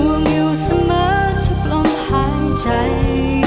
ห่วงอยู่เสมอทุกลมหายใจ